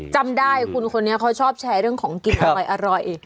จำได้คุณคนนี้เขาชอบแชร์เรื่องของกินอร่อย